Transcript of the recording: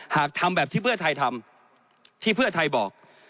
หากทำแบบที่เพื่อไทยทำที่เพื่อไทยบอก